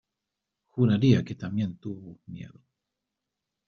juraría que también tuvo miedo: